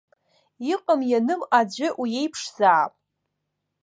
Иҟам-иным аӡәы уиеиԥшзаап!